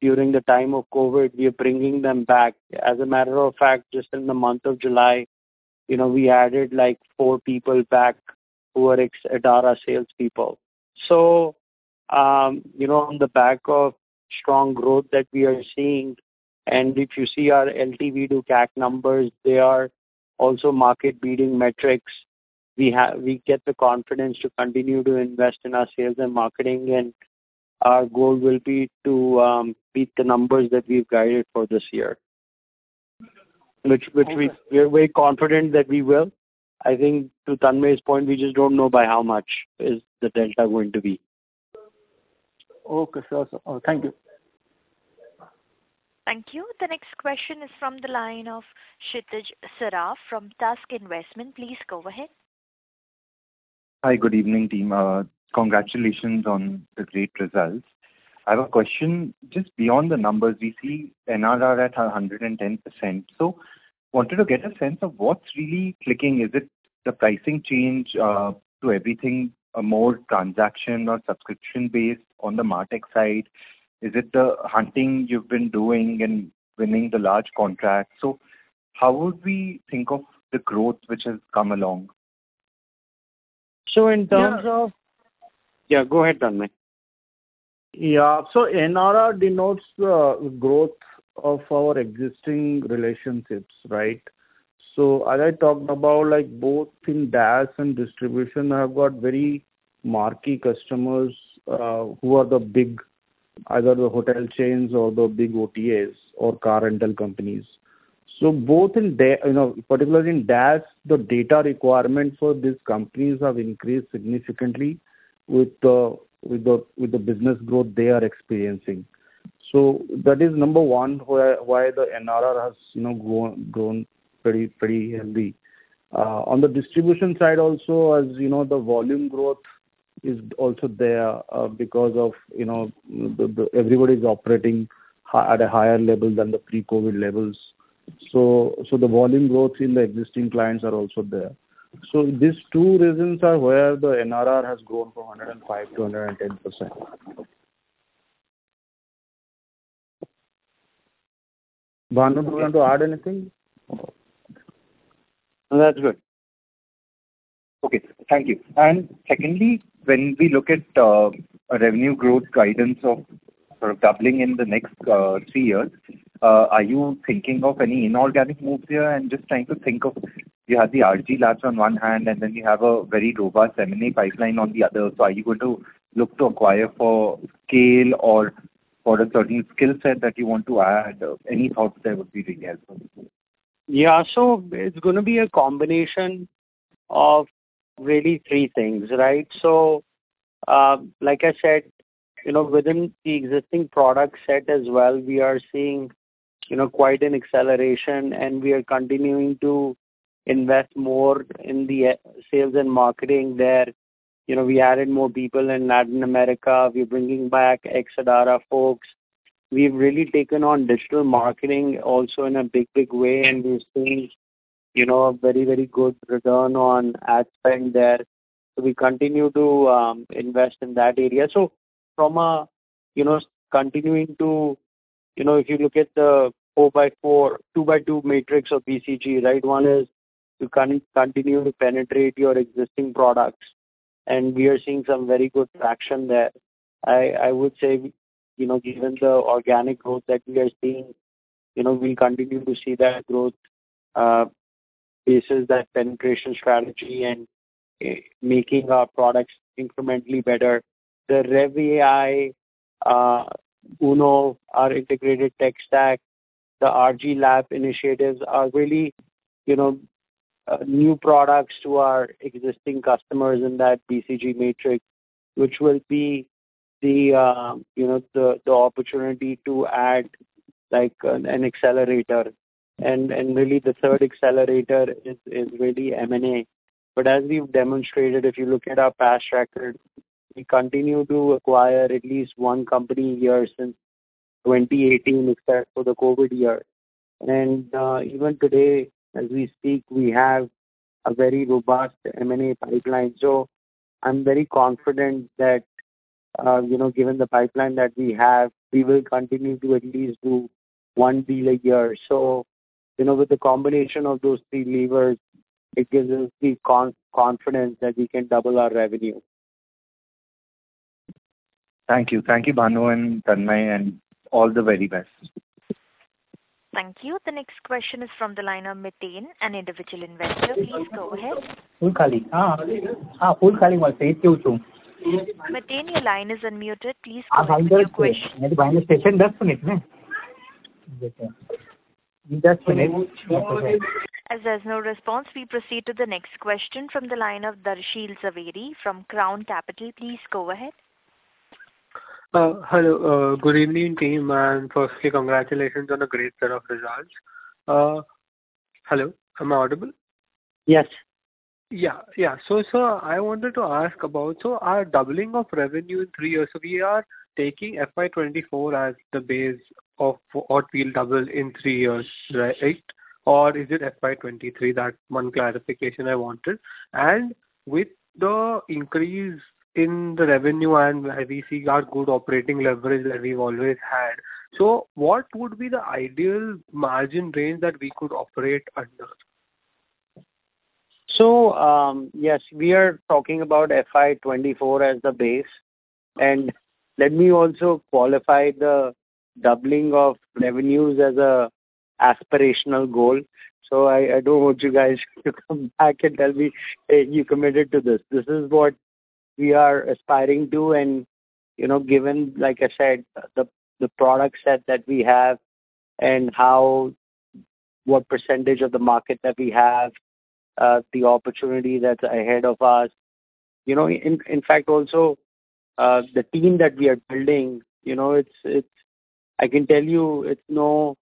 during the time of COVID, we are bringing them back. As a matter of fact, just in the month of July, you know, we added, like, four people back who were ex Adara salespeople. On the back of strong growth that we are seeing, and if you see our LTV to CAC numbers, they are also market-leading metrics. We get the confidence to continue to invest in our sales and marketing, and our goal will be to beat the numbers that we've guided for this year. Which, which we're very confident that we will. I think to Tanmaya's point, we just don't know by how much is the delta going to be. Okay, sure, sir. Thank you. Thank you. The next question is from the line of Kshitij Saraf from Tusk Investments. Please go ahead. Hi, good evening, team. Congratulations on the great results. I have a question. Just beyond the numbers, we see NRR at 110%. Wanted to get a sense of what's really clicking. Is it the pricing change to everything, more transaction or subscription-based on the MarTech side? Is it the hunting you've been doing and winning the large contracts? How would we think of the growth which has come along? in terms of- Yeah. Yeah, go ahead, Tanmaya. Yeah. NRR denotes the growth of our existing relationships, right? As I talked about, like, both in DaaS and distribution, I have got very marquee customers, who are the big, either the hotel chains or the big OTAs or car rental companies. Both in... You know, particularly in DaaS, the data requirements for these companies have increased significantly with the, with the, with the business growth they are experiencing. That is number 1, why the NRR has, you know, grown, grown pretty, pretty healthy. On the distribution side also, as you know, the volume growth is also there, because of, you know, the, the, everybody's operating at a higher level than the pre-COVID levels. The volume growth in the existing clients are also there.... these two reasons are where the NRR has grown from 105% to 110%. Bhanu, you want to add anything? No, that's good. Okay, thank you. Secondly, when we look at a revenue growth guidance of sort of doubling in the next three years, are you thinking of any inorganic moves here? I'm just trying to think of, you have the RG Labs on one hand, and then you have a very robust M&A pipeline on the other. Are you going to look to acquire for scale or for a certain skill set that you want to add? Any thoughts there would be really helpful. Yeah. It's gonna be a combination of really three things, right? Like I said, you know, within the existing product set as well, we are seeing, you know, quite an acceleration, and we are continuing to invest more in the sales and marketing there. You know, we added more people in Latin America. We're bringing back ex-Adara folks. We've really taken on digital marketing also in a big, big way, and we're seeing, you know, a very, very good return on ad spend there. We continue to invest in that area. From a, you know, if you look at the 4x4, 2x2 matrix of BCG, right? One is to continue to penetrate your existing products, and we are seeing some very good traction there. I, I would say, you know, given the organic growth that we are seeing, you know, we'll continue to see that growth basis that penetration strategy and making our products incrementally better. The RevAI, Uno, our integrated tech stack, the RG Lab initiatives are really, you know, new products to our existing customers in that BCG matrix, which will be the, you know, the, the opportunity to add, like, an, an accelerator. Really the third accelerator is, is really M&A. But as we've demonstrated, if you look at our past record, we continue to acquire at least one company a year since 2018, except for the COVID year. Even today, as we speak, we have a very robust M&A pipeline. I'm very confident that, you know, given the pipeline that we have, we will continue to at least do one deal a year. You know, with the combination of those three levers, it gives us the confidence that we can double our revenue. Thank you. Thank you, Bhanu and Tanmaya, and all the very best. Thank you. The next question is from the line of Miten, an individual investor. Please go ahead. Miten, your line is unmuted. Please go ahead with your question. As there's no response, we proceed to the next question from the line of Darshil Zaveri from Crown Capital. Please go ahead. Hello. Good evening, team, and firstly, congratulations on a great set of results. Hello, am I audible? Yes. Yeah, yeah. I wanted to ask about, so our doubling of revenue in three years, so we are taking FY 2024 as the base of what we'll double in three years, right? Or is it FY 2023? That's one clarification I wanted. With the increase in the revenue and we see our good operating leverage that we've always had, so what would be the ideal margin range that we could operate under? Yes, we are talking about FY 2024 as the base. Let me also qualify the doubling of revenues as a aspirational goal. I, I don't want you guys to come back and tell me, "Hey, you committed to this." This is what we are aspiring to and, you know, given, like I said, the, the product set that we have and how-- what percentage of the market that we have, the opportunity that's ahead of us. You know, in, in fact, also, the team that we are building, you know, it's, it's... I can tell you it's no,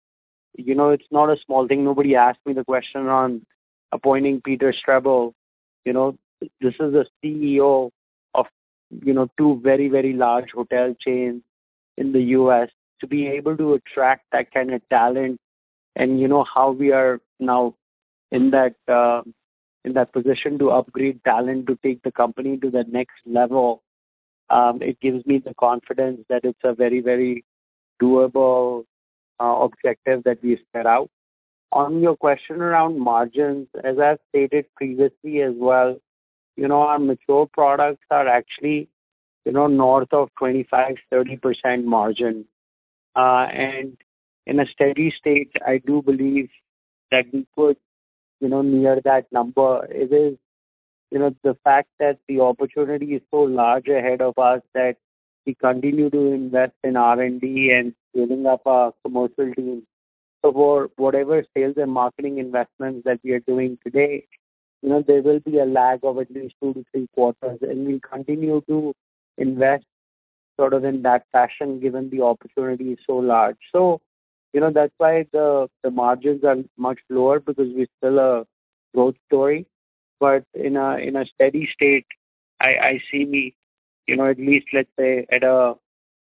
you know, it's not a small thing. Nobody asked me the question on appointing Peter Strebel. You know, this is a CEO of, you know, two very, very large hotel chains in the U.S. To be able to attract that kind of talent and you know, how we are now in that, in that position to upgrade talent, to take the company to the next level, it gives me the confidence that it's a very, very doable objective that we set out. On your question around margins, as I've stated previously as well, you know, our mature products are actually, you know, north of 25%-30% margin. In a steady state, I do believe that we could, you know, near that number. It is, you know, the fact that the opportunity is so large ahead of us, that we continue to invest in R&D and building up our commercial team. For whatever sales and marketing investments that we are doing today, you know, there will be a lag of at least 2 to 3 quarters, and we continue to invest sort of in that fashion, given the opportunity is so large. You know, that's why the, the margins are much lower, because we're still a growth story. In a, in a steady state, I, I see me, you know, at least, let's say, at a,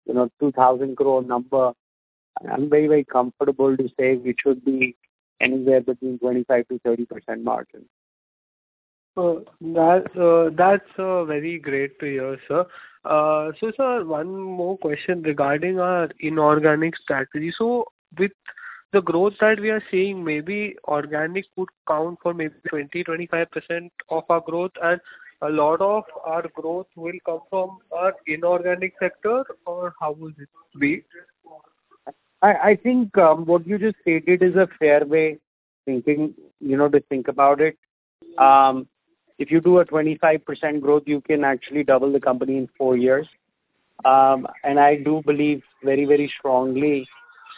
you know, 2,000 crore number. I'm very, very comfortable to say we should be anywhere between 25%-30% margin. That, that's very great to hear, sir. Sir, one more question regarding our inorganic strategy. With the growth that we are seeing, maybe organic would count for maybe 20%-25% of our growth, and a lot of our growth will come from our inorganic sector, or how will it be? I, I think, what you just stated is a fair way thinking, you know, to think about it. If you do a 25% growth, you can actually double the company in 4 years. I do believe very, very strongly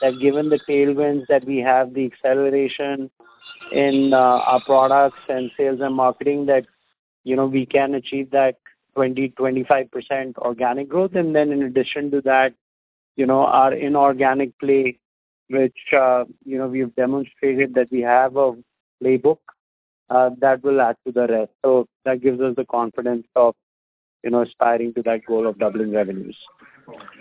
that given the tailwinds that we have, the acceleration in our products and sales and marketing, that, you know, we can achieve that 20%-25% organic growth. Then in addition to that, you know, our inorganic play, which, you know, we've demonstrated that we have a playbook that will add to the rest. That gives us the confidence of, you know, aspiring to that goal of doubling revenues.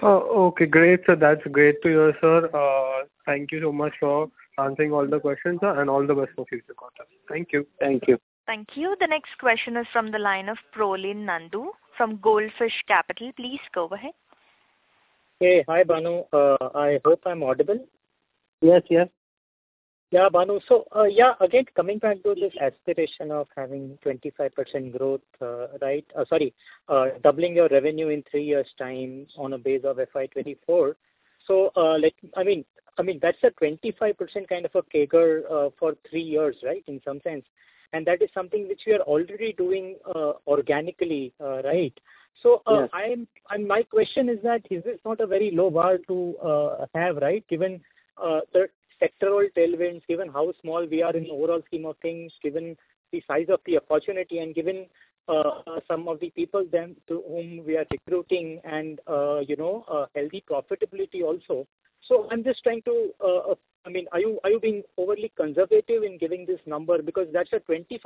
Okay, great, sir. That's great to hear, sir. Thank you so much for answering all the questions, sir, and all the best for future contacts. Thank you. Thank you. Thank you. The next question is from the line of Prolin Nandu from Goldfish Capital. Please go ahead. Hey. Hi, Bhanu. I hope I'm audible. Yes, yes. Yeah, Bhanu. Yeah, again, coming back to this aspiration of having 25% growth, right? Sorry, doubling your revenue in three years' time on a base of FY 2024. Like, I mean, I mean, that's a 25% kind of a CAGR for 3 years, right? In some sense. That is something which we are already doing organically, right? Yes. My question is that, is this not a very low bar to have, right? Given the sectoral tailwinds, given how small we are in the overall scheme of things, given the size of the opportunity and given some of the people then to whom we are recruiting and, you know, healthy profitability also. I'm just trying to, I mean, are you, are you being overly conservative in giving this number? Because that's a 25%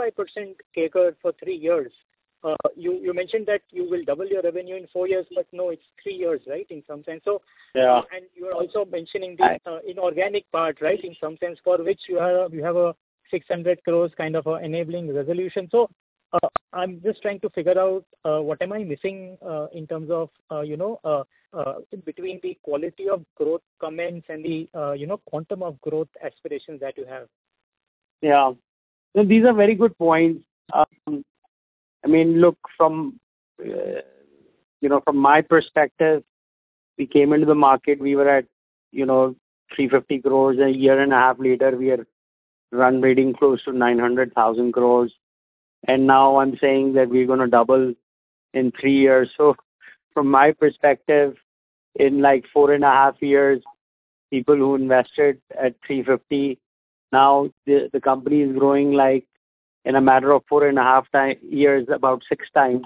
CAGR for three years. You, you mentioned that you will double your revenue in four years, but no, it's three years, right? In some sense. Yeah. You are also mentioning the inorganic part, right? In some sense, for which you have a, you have a 600 crore kind of enabling resolution. I'm just trying to figure out what am I missing in terms of, you know, between the quality of growth comments and the, you know, quantum of growth aspirations that you have. Yeah. These are very good points. I mean, look, from, you know, from my perspective, we came into the market, we were at, you know, 350 crore. A year and a half later, we are run rating close to 900,000 crore. Now I'm saying that we're gonna double in three years. From my perspective, in like 4.5 years, people who invested at 350, now the company is growing, like, in a matter of 4.5 time, years, about six times.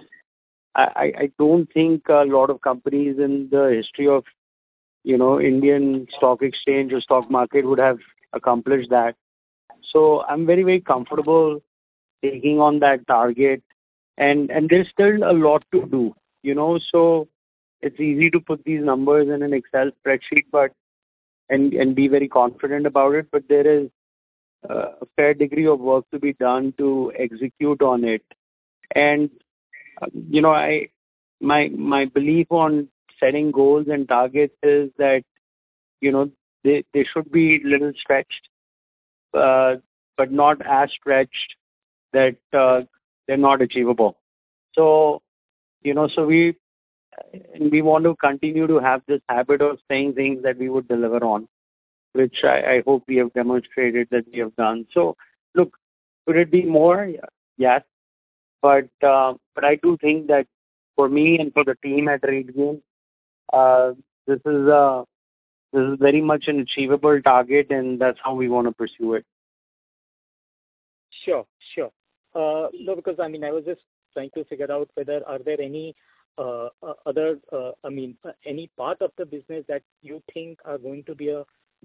I don't think a lot of companies in the history of, you know, Indian stock exchange or stock market would have accomplished that. I'm very, very comfortable taking on that target, and there's still a lot to do, you know? It's easy to put these numbers in an Excel spreadsheet, but... be very confident about it, but there is a fair degree of work to be done to execute on it. You know, I, my, my belief on setting goals and targets is that, you know, they, they should be little stretched, but not as stretched that they're not achievable. You know, so we, we want to continue to have this habit of saying things that we would deliver on, which I, I hope we have demonstrated that we have done. Look, could it be more? Yes. But I do think that for me and for the team at RateGain, this is very much an achievable target, and that's how we want to pursue it. Sure. Sure. no, because, I mean, I was just trying to figure out whether are there any, other, I mean, any part of the business that you think are going to be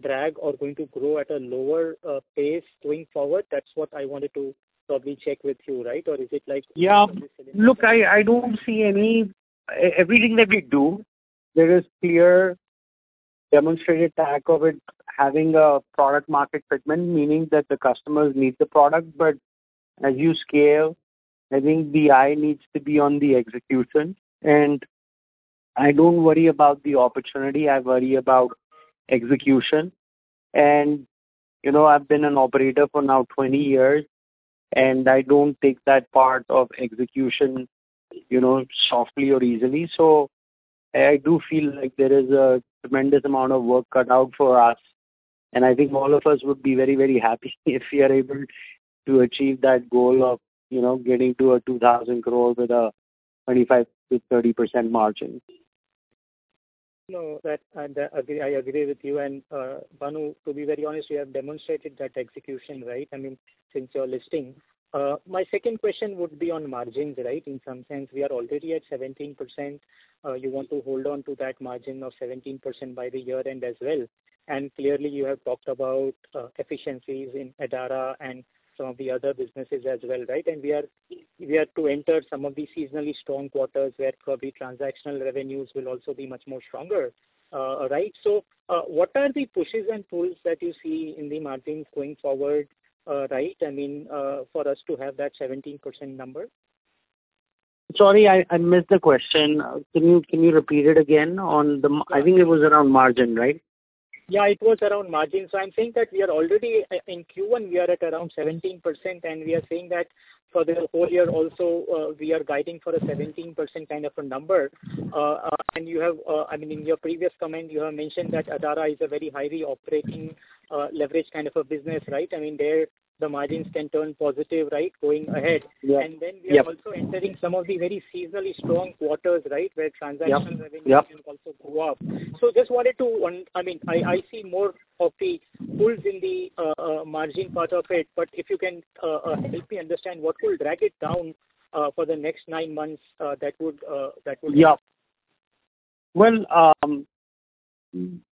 a drag or going to grow at a lower, pace going forward? That's what I wanted to probably check with you, right? Or is it like- Yeah. Look, I, I don't see any. Everything that we do, there is clear demonstrated track of it having a product-market fit, meaning that the customers need the product. As you scale, I think the eye needs to be on the execution. I don't worry about the opportunity, I worry about execution. You know, I've been an operator for now 20 years, and I don't take that part of execution, you know, softly or easily. I do feel like there is a tremendous amount of work cut out for us, and I think all of us would be very, very happy if we are able to achieve that goal of, you know, getting to a 2,000 crore with a 25%-30% margin. No, that, I, I agree, I agree with you. Bhanu, to be very honest, you have demonstrated that execution, right? I mean, since your listing. My second question would be on margins, right? In some sense, we are already at 17%. You want to hold on to that margin of 17% by the year-end as well. Clearly, you have talked about efficiencies in Adara and some of the other businesses as well, right? We are, we are to enter some of the seasonally strong quarters, where probably transactional revenues will also be much more stronger, right? What are the pushes and pulls that you see in the margins going forward, right? I mean, for us to have that 17% number. Sorry, I, I missed the question. Can you, can you repeat it again on the, I think it was around margin, right? Yeah, it was around margin. I'm saying that we are already, in Q1, we are at around 17%, and we are saying that for the whole year also, we are guiding for a 17% kind of a number. You have, I mean, in your previous comment, you have mentioned that Adara is a very highly operating, leverage kind of a business, right? I mean, there the margins can turn positive, right, going ahead. Yeah. Yep. Then we are also entering some of the very seasonally strong quarters, right? Where transaction- Yep, yep. revenue can also go up. I mean, I, I see more of the pulls in the margin part of it, but if you can help me understand what will drag it down for the next nine months, that would. Yeah. Well,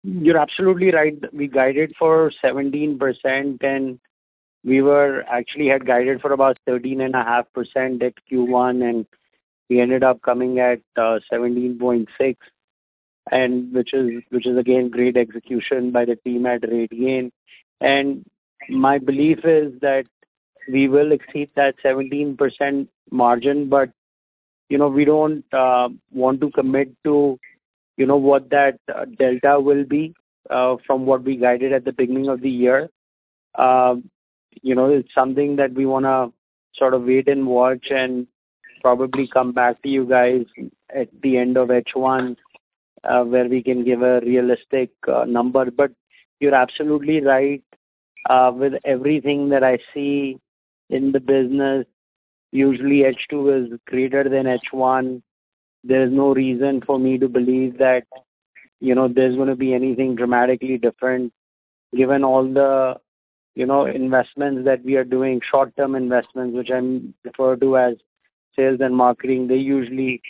you're absolutely right. We guided for 17%, and we were actually had guided for about 13.5% at Q1. We ended up coming at 17.6, which is, which is again, great execution by the team at RateGain. My belief is that we will exceed that 17% margin, but, you know, we don't want to commit to, you know, what that delta will be from what we guided at the beginning of the year. You know, it's something that we wanna sort of wait and watch and probably come back to you guys at the end of H1, where we can give a realistic number. You're absolutely right. With everything that I see in the business, usually H2 is greater than H1. There's no reason for me to believe that, you know, there's gonna be anything dramatically different, given all the, you know, investments that we are doing, short-term investments, which I'm refer to as sales and marketing. They usually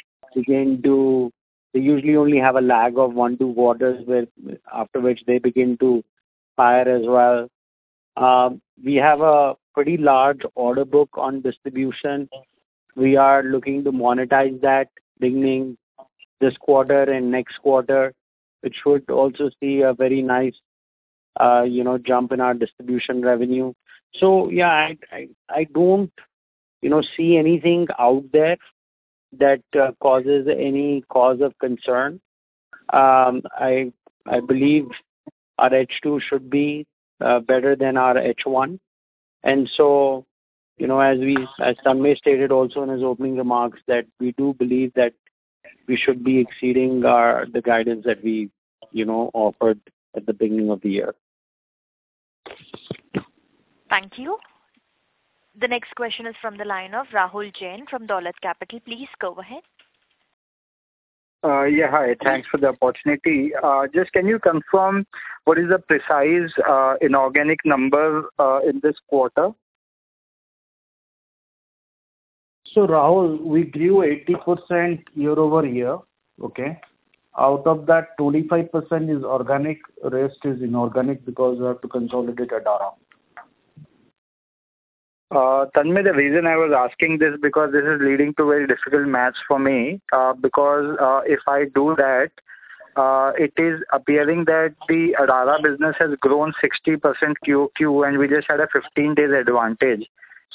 only have a lag of one, two quarters, where after which they begin to fire as well. We have a pretty large order book on distribution. We are looking to monetize that, beginning this quarter and next quarter, which should also see a very nice, you know, jump in our distribution revenue. Yeah, I, I, I don't, you know, see anything out there that causes any cause of concern. I, I believe our H2 should be better than our H1. You know, as we, as Tanmay stated also in his opening remarks, that we do believe that we should be exceeding our, the guidance that we, you know, offered at the beginning of the year. Thank you. The next question is from the line of Rahul Jain from Dolat Capital. Please go ahead. Yeah, hi. Thanks for the opportunity. Just can you confirm what is the precise inorganic number in this quarter? Rahul, we grew 80% year-over-year. Okay? Out of that, 25% is organic, rest is inorganic because we have to consolidate Adara. Tanmaya, the reason I was asking this, because this is leading to very difficult math for me, because, if I do that, it is appearing that the Adara business has grown 60% Q-Q, and we just had a 15 days advantage.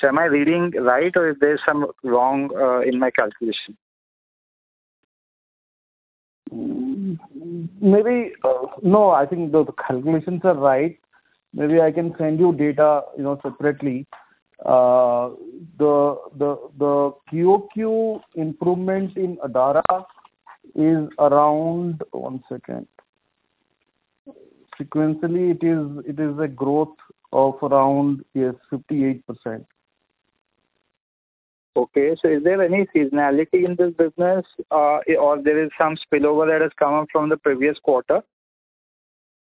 Am I reading right, or is there some wrong in my calculation? Maybe, no, I think the calculations are right. Maybe I can send you data, you know, separately. The QOQ improvement in Adara is around... One second. Sequentially, it is a growth of around, yes, 58%. Okay. Is there any seasonality in this business, or there is some spillover that has come up from the previous quarter?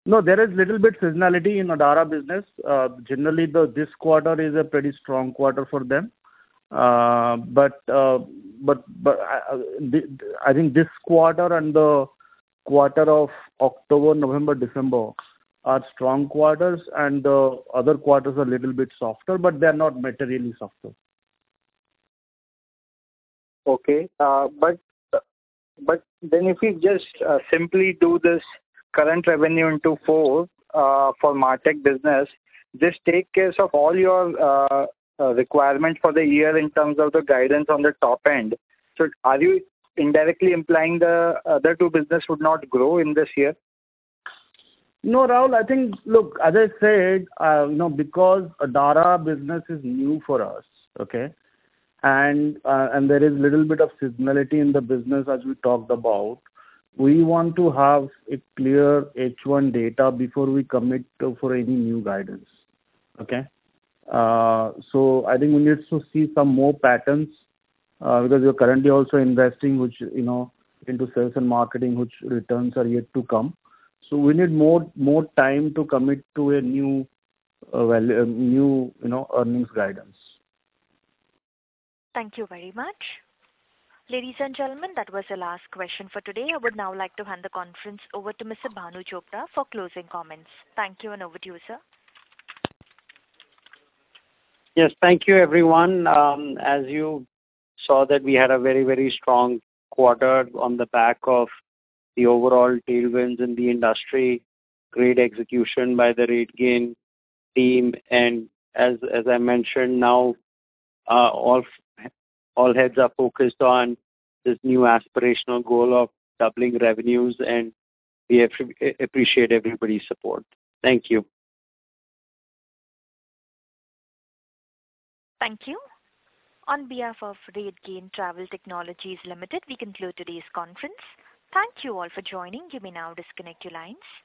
No, there is little bit seasonality in Adara business. Generally, this quarter is a pretty strong quarter for them. I think this quarter and the quarter of October, November, December are strong quarters, and the other quarters are a little bit softer, but they are not materially softer. But then if you just, simply do this current revenue into four, for MarTech business, this take care of all your, requirement for the year in terms of the guidance on the top end. Are you indirectly implying the other two business would not grow in this year? No, Rahul, I think. Look, as I said, you know, because Adara business is new for us, okay. There is little bit of seasonality in the business as we talked about. We want to have a clear H1 data before we commit for any new guidance, okay. I think we need to see some more patterns, because we are currently also investing, which, you know, into sales and marketing, which returns are yet to come. We need more, more time to commit to a new, well, a new, you know, earnings guidance. Thank you very much. Ladies and gentlemen, that was the last question for today. I would now like to hand the conference over to Mr. Bhanu Chopra for closing comments. Thank you, and over to you, sir. Yes, thank you, everyone. As you saw that we had a very, very strong quarter on the back of the overall tailwinds in the industry, great execution by the RateGain team, and as, as I mentioned now, all, all heads are focused on this new aspirational goal of doubling revenues, and we appreciate everybody's support. Thank you. Thank you. On behalf of RateGain Travel Technologies Limited, we conclude today's conference. Thank you all for joining. You may now disconnect your lines.